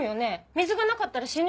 水がなかったら死ぬよね？